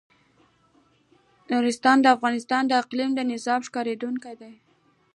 نورستان د افغانستان د اقلیمي نظام ښکارندوی ده.